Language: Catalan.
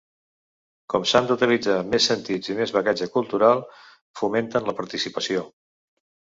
Com s'han d'utilitzar més sentits i més bagatge cultural, fomenten la participació.